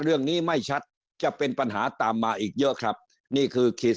เรื่องนี้ไม่ชัดจะเป็นปัญหาตามมาอีกเยอะครับนี่คือขีด